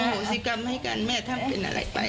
เอาโหสีกันให้กันแม่ทำเป็นอะไรไป